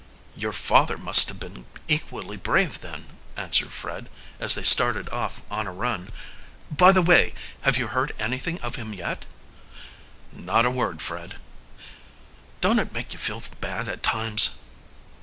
"Your father must have been equally brave, then," answered Fred, as they started off on, a run. "By the way, have you heard anything of him yet?" "Not a word, Fred." "Don't it make you feel bad at times?"